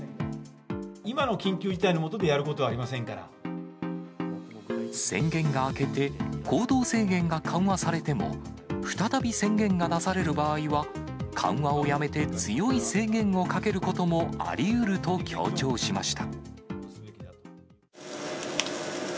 今の緊急事態の下でやること宣言が明けて、行動制限が緩和されても、再び宣言が出される場合は、緩和をやめて強い制限をかけることもありうると強調しました。